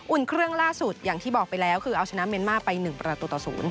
เครื่องล่าสุดอย่างที่บอกไปแล้วคือเอาชนะเมียนมาร์ไป๑ประตูต่อ๐